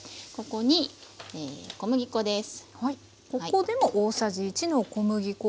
ここでも大さじ１の小麦粉。